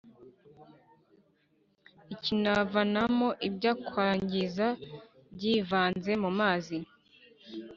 ikanavanamo ibyakwangiza byivanze mu mazi.